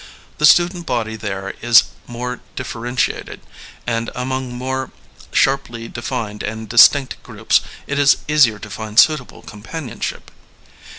The student body there is more differentiated; and among more sharply de fined and distinct groups it is easier to find suitable companionship.